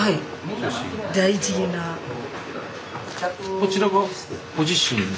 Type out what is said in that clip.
こちらがご自身で。